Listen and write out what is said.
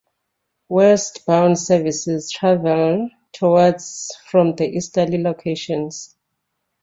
Westbound services travel "towards" from the easterly locations.